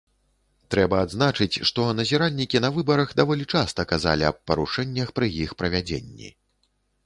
Трэба адзначыць, што назіральнікі на выбарах даволі часта казалі аб парушэннях пры іх правядзенні.